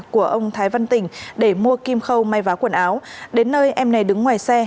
của ông thái văn tỉnh để mua kim khâu may vá quần áo đến nơi em này đứng ngoài xe